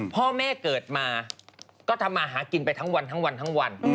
พ่อแม่เกิดมาก็ทำมาหากินไปทั้งวันทั้งวันทั้งวัน